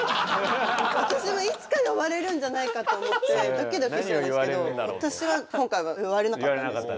私もいつか呼ばれるんじゃないかと思ってドキドキしてたんですけど私は今回は言われなかったんです。